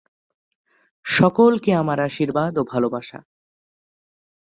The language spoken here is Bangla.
সকলকে আমার আশীর্বাদ ও ভালবাসা।